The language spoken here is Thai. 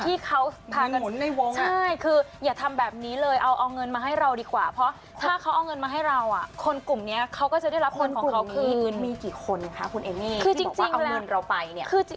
มีกี่คนค่ะคุณเอมมี่ที่บอกว่าเอาเงินเราไปเนี่ย